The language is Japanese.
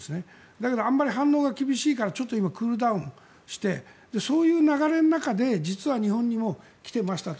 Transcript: だけどあまり反応が厳しいから今ちょっとクールダウンしてそういう流れの中で実は、日本にも来てましたと。